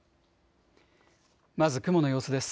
まず雲の様子です。